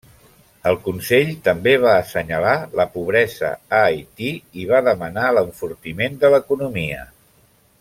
El Consell també va assenyalar la pobresa a Haití i va demanar l'enfortiment de l'economia.